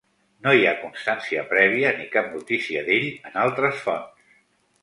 No hi ha constància prèvia ni cap notícia d'ell en altres fonts.